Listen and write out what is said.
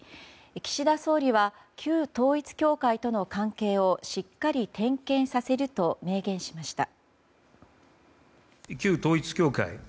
岸田総理は旧統一教会との関係をしっかり点検させると明言しました。